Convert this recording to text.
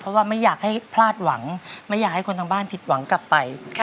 เพราะว่าไม่อยากให้พลาดหวังไม่อยากให้คนทางบ้านผิดหวังกลับไป